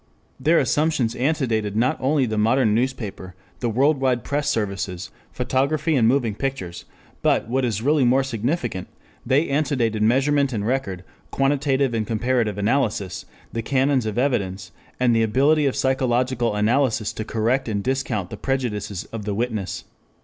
Their assumptions antedated not only the modern newspaper, the world wide press services, photography and moving pictures, but, what is really more significant, they antedated measurement and record, quantitative and comparative analysis, the canons of evidence, and the ability of psychological analysis to correct and discount the prejudices of the witness.